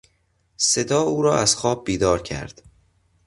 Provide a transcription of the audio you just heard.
صدا او را از خواب بیدار کرد.